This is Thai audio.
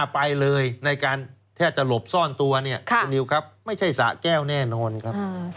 สะแก้วเนี่ยคนเข้าออกเยอะนะ